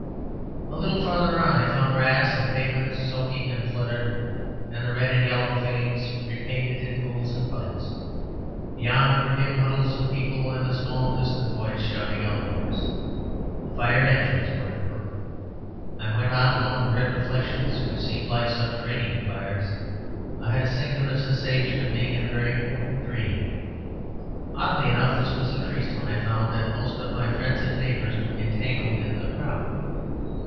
A little farther on I found grass and pavement soaking and flooded, and the red and yellow flames repainted in pools and puddles. Beyond were dim huddles of people and a small distant voice shouting out orders. The fire engines were at work. I went on among the red reflections, which seemed like subterranean fires; I had a singular sensation of being in a very important dream. Oddly enough, this was increased when I found that most of my friends and neighbours were entangled in the crowd.